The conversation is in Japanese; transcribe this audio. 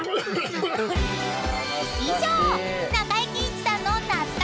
［以上］